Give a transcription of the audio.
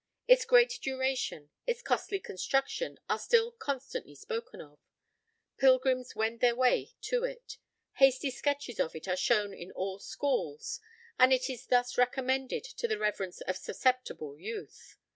Its great duration, its costly construction, are still constantly spoken of. Pilgrims wend their way to it; hasty sketches of it are shown in all schools, and it is thus recommended to the reverence of susceptible youth.